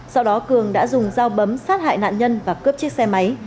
sau đó cường đã dùng dao bấm sát hại nạn nhân và cướp chiếc xe máy